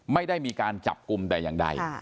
ไม่ได้มีการจับกลุ่มแต่อย่างใด